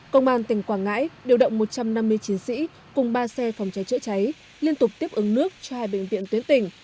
công an tỉnh quảng ngãi điều động một trăm năm mươi chiến sĩ cùng ba xe phòng cháy chữa cháy liên tục tiếp ứng nước cho hai bệnh viện tuyến tỉnh